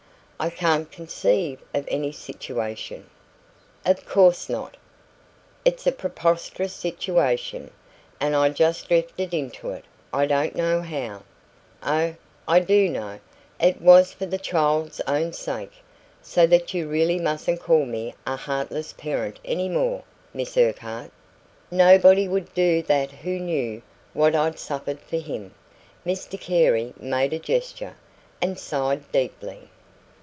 "I can't conceive of any situation " "Of course not. It's a preposterous situation. And I just drifted into it I don't know how. Oh, I do know it was for the child's own sake; so that you really mustn't call me a heartless parent any more, Miss Urquhart. Nobody would do that who knew what I'd suffered for him." Mr Carey made a gesture, and sighed deeply.